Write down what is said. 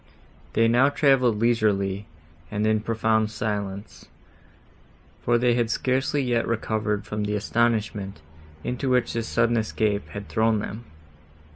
They now travelled leisurely, and in profound silence; for they had scarcely yet recovered from the astonishment, into which this sudden escape had thrown them.